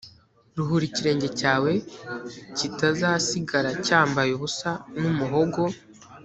ruhura ikirenge cyawe kitazasigara cyambaye ubusa n umuhogo